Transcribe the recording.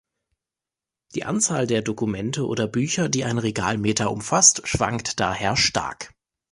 Die Anzahl der Dokumente oder Bücher, die ein Regalmeter umfasst, schwankt daher stark.